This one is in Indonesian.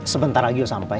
sebentar lagi oh sampai